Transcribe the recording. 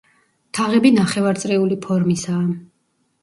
თაღები ნახევარწრიული ფორმისაა.